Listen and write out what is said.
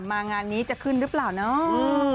งานนี้จะขึ้นหรือเปล่าเนาะ